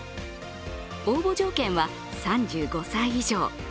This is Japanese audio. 応募条件は３５歳以上。